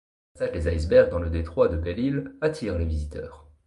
Le passage des icebergs dans le détroit de Belle Isle attire les visiteurs.